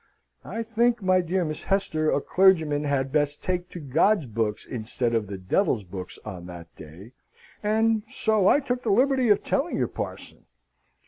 "I think, my dear Miss Hester, a clergyman had best take to God's books instead of the Devil's books on that day and so I took the liberty of telling your parson."